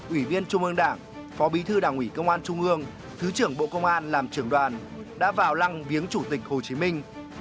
ủy viên trung ương đảng phó bí thư đảng ủy công an trung ương thứ trưởng bộ công an làm trưởng đoàn đã vào lăng viếng chủ tịch hồ chí minh